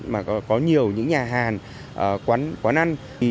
mà có nhiều những nhà hàng quán ăn